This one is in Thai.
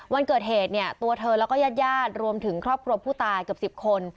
วันเกิดเหตุเนี่ยตัวเธอแล้วก็ญาติญาติรวมถึงครอบครัวผู้ตายเกือบ๑๐คน